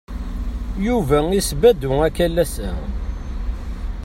Yuba isbadu akalas-a.